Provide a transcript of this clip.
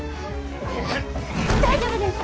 大丈夫ですか？